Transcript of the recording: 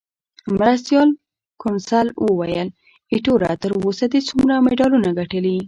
مرستیال کونسل وویل: ایټوره، تر اوسه دې څومره مډالونه ګټلي؟